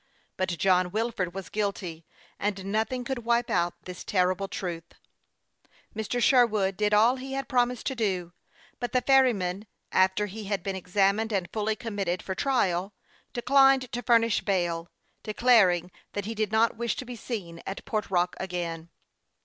But. John Wilford was guilty, and noth ing could wipe out this terrible truth. Mr. Sherwood did all he had promised to do ; but the ferryman, after he had been examined and fully committed for trial, declined to furnish bail, de claring that he did not wish to be seen at Port Rock again.